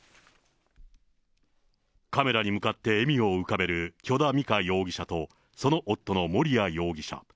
カメラに向かって笑みを浮かべる許田美香容疑者と、その夫の盛哉容疑者。